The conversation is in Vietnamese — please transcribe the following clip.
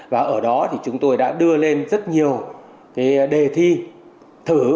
và ở đó thì chúng tôi đã đưa lên rất nhiều cái đề thi thử